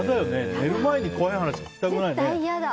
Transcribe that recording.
寝る前に怖い話聞きたくない。